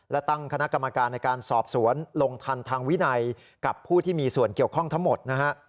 และตั้งคณะกรรมการในการสอบสวนลงทันทางวินัยกับผู้ที่มีส่วนเกี่ยวข้องทั้งหมดนะฮะ